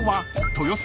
豊洲。